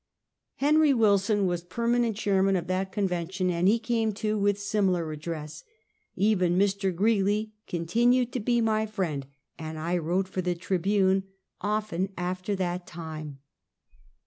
Henry Wilson was permanent chairman of that convention, and he came, too, with similar address. Even Mr. Greeley continued to be my friend, and I wrote for the Tribune often after that time.